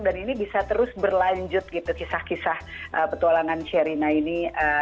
dan ini bisa terus berlanjut gitu kisah kisah petualangan sherina ini